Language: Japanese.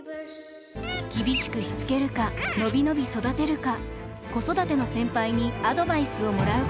厳しくしつけるか伸び伸び育てるか子育ての先輩にアドバイスをもらうことに。